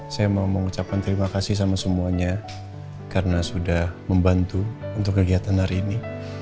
saya mau mengucapkan terima kasih sama semuanya karena sudah membantu untuk kegiatan hari ini